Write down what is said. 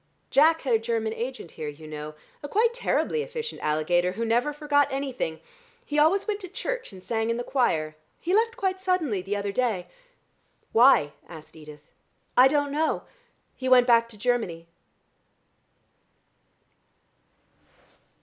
Jack had a German agent here, you know, a quite terribly efficient alligator who never forgot anything. He always went to church and sang in the choir. He left quite suddenly the other day." "Why?" asked Edith. "I don't know; he went back to Germany."